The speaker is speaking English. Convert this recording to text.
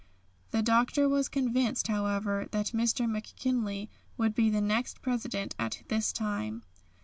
The Doctor was convinced however that Mr. McKinley would be the next President at this time.